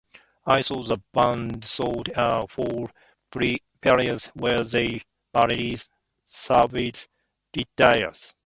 I saw the band through a whole period where they barely survived, literally.